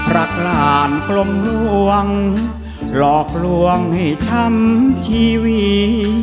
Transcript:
รักหลานกลมลวงหลอกลวงให้ช้ำชีวิต